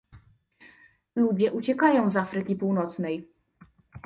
ludzie uciekają z Afryki Północnej